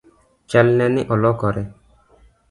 Chalne ne olokore?